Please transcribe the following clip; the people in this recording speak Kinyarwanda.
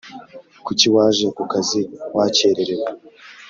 Kuki waje ku kazi wakererewe